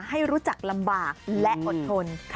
ให้รู้จักลำบากและอดทน